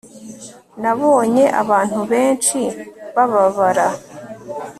nabonye abantu benshi bababara